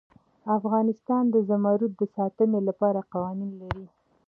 افغانستان د زمرد د ساتنې لپاره قوانین لري.